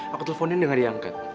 aku teleponin denger dia angkat